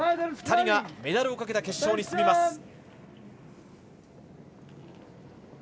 ２人がメダルをかけた決勝に進みます。